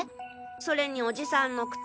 それにおじさんの靴。